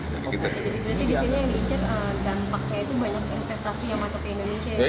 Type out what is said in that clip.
jadi di sini yang diinjat dampaknya itu banyak investasi yang masuk ke indonesia ya